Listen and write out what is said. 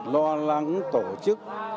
lo lắng tổ chức